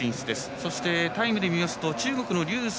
そして、タイムで見ますと中国の劉翠